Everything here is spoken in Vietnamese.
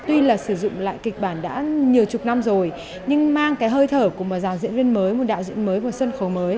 tuy là sử dụng lại kịch bản đã nhiều chục năm rồi nhưng mang cái hơi thở của một rào diễn viên mới một đạo diễn mới một sân khấu mới